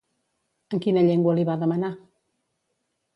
En quina llengua li va demanar?